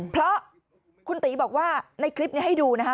เพราะคุณตีบอกว่าในคลิปนี้ให้ดูนะคะ